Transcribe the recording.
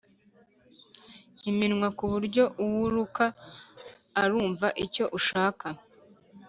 iminwa ku buryo uwo uruka arumva icyo ushaka